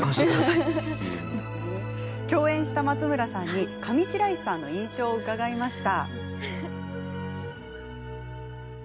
共演した松村さんに上白石さんの印象を伺いました。